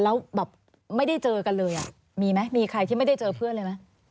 แล้วแบบไม่ได้เจอกันเลยอ่ะมีไหมมีใครที่ไม่ได้เจอเพื่อนเลยไหม